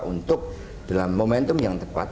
untuk dalam momentum yang tepat